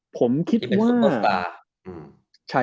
ผมคิดว่า